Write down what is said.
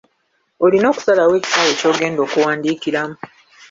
Olina okusalawo ekisaawe ky’ogenda okuwandiikiramu.